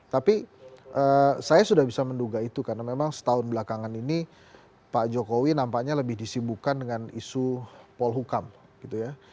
tapi saya sudah bisa menduga itu karena memang setahun belakangan ini pak jokowi nampaknya lebih disibukan dengan isu polhukam gitu ya